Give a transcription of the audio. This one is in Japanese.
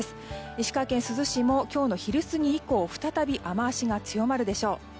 石川県珠洲市も今日の昼過ぎ以降再び雨脚が強まるでしょう。